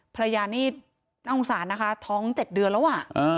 ภรรยานี่น่าสงสารนะคะท้อง๗เดือนแล้วอ่ะ